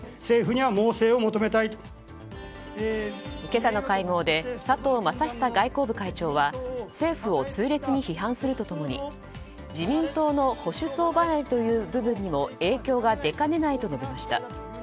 今朝の会合で佐藤正久外交部会長は政府を痛烈に批判すると共に自民党の保守層離れという部分にも影響が出かねないと述べました。